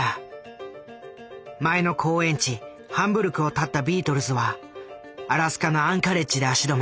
前の公演地ハンブルクをたったビートルズはアラスカのアンカレッジで足止め。